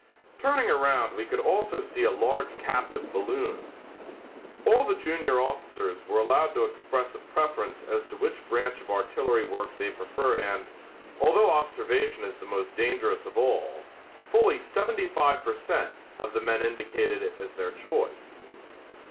Turning around we could also see a large captive balloon. All the junior officers were allowed to express a preference as to which branch of artillery work they preferred and, although observation is the most dangerous of all, fully seventy five per cent, of the men indicated it as their choice.